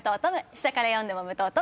下から読んでもむとうとむ。